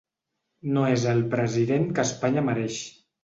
No és el president que Espanya mereix.